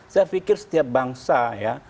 saya pikir setiap bangsa ya